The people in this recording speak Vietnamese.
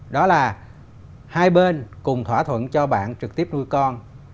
đó là hai bên cùng thỏa thuận cho bạn trực tiếp nuôi con